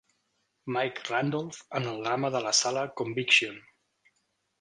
Mike Randolf en el drama de la sala "Conviction".